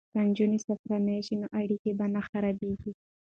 که نجونې سفیرانې شي نو اړیکې به نه خرابیږي.